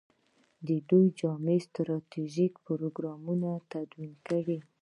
دوی باید جامع ستراتیژیک پروګرام تدوین کړي.